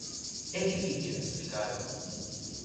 É difícil explicalo.